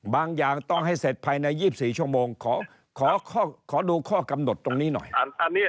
บางอย่างต้องให้เสร็จภายใน๒๔ชั่วโมงขอดูข้อกำหนดตรงนี้หน่อย